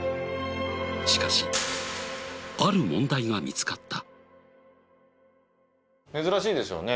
しかしある問題が見つかった。